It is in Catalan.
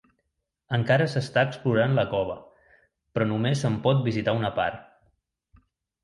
Encara s'està explorant la cova, però només se'n pot visitar una part.